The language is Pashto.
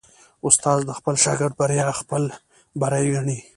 استاد د خپل شاګرد بریا خپل بری ګڼي.